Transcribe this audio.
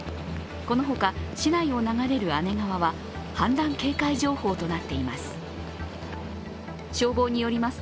このほか、市内を流れる姉川は氾濫警戒情報となっています。